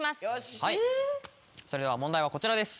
はいそれでは問題はこちらです。